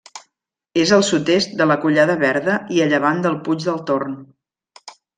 És al sud-est de la Collada Verda i a llevant del Puig del Torn.